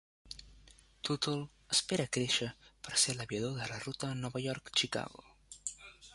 Tootle espera créixer per ser l'aviador de la ruta Nova York-Chicago.